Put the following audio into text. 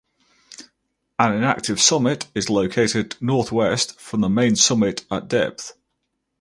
An inactive summit is located northwest from the main summit at depth.